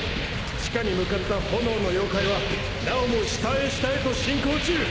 地下に向かった炎の妖怪はなおも下へ下へと進行中！